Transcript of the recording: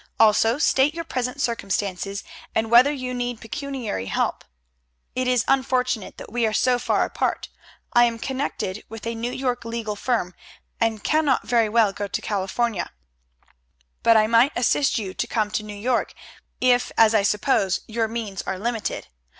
Also state your present circumstances, and whether you need pecuniary help. It is unfortunate that we are so far apart. I am connected with a New York legal firm, and cannot very well go to California; but I might assist you to come to New York, if as I suppose, your means are limited.